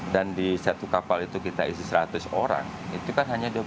dan di satu kapal itu kita isi seratus orang itu kan hanya dua puluh tujuh